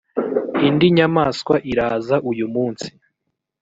indi nyamaswa iraza uyumunsi